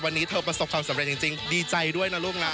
วันนี้เธอประสบความสำเร็จจริงดีใจด้วยนะลูกนะ